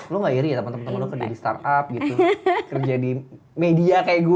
lu gak iri ya teman teman lo kerja di startup gitu kerja di media kayak gue